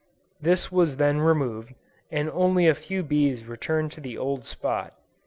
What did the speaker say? This was then removed, and only a few bees returned to the old spot.